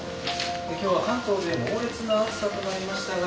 今日は関東で猛烈な暑さとなりましたが。